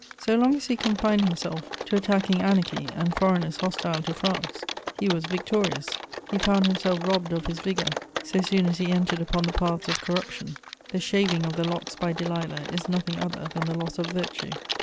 So long as he confined himself to attacking anarchy and foreigners hostile to France, he was victorious; he found himself robbed of his vigour so soon as he entered upon the paths of corruption: the shaving of the locks by Delilah is nothing other than the loss of virtue.